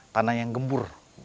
tanah yang gembur